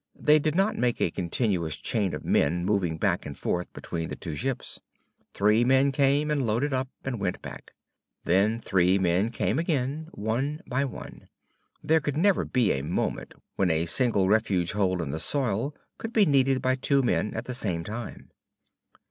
They did not make a continuous chain of men moving back and forth between the two ships. Three men came, and loaded up, and went back. Then three men came again, one by one. There could never be a moment when a single refuge hole in the soil could be needed by two men at the same time.